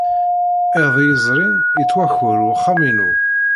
Iḍ yezrin, yettwaker wexxam-inu.